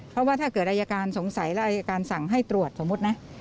เพราะว่าถ้าเกิดอายการสงสัยแล้วอายการสั่งให้ตรวจสมมุตินะ